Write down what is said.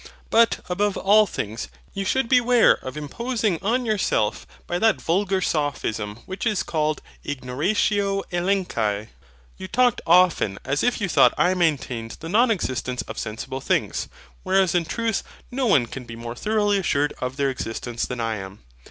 But, above all things, you should beware of imposing on yourself by that vulgar sophism which is called IGNORATIO ELENCHI. You talked often as if you thought I maintained the non existence of Sensible Things. Whereas in truth no one can be more thoroughly assured of their existence than I am.